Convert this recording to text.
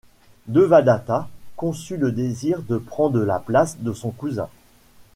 Devadatta conçut le désir de prendre la place de son cousin.